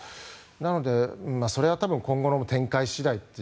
なので、それは多分今後の展開次第と。